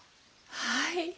はい。